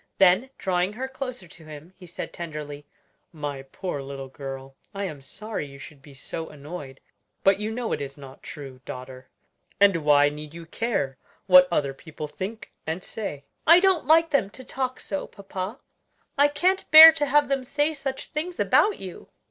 Then drawing her closer to him, he said tenderly, "My poor little girl, I am sorry you should be so annoyed; but you know it is not true, daughter, and why need you care what other people think and say?" "I don't like them to talk so, papa! I can't bear to have them say such things about you!"